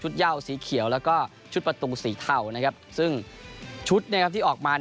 แล้วก็ชุดประตูสีเท่าซึ่งชุดที่ออกมา